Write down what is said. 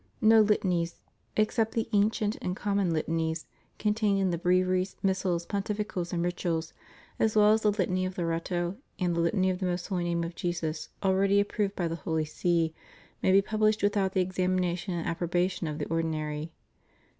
No Htanies — except the ancient and common litanies contained in the breviaries, missals, pontificals, and rituals, as well as the Litany of Loretto, and the Litany of the Most Holy Name of Jesus already approved by the Holy See — may be published without the examina tion and approbation of the ordinary.